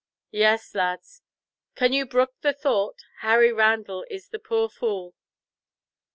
"Yes, lads. Can you brook the thought!—Harry Randall is the poor fool!"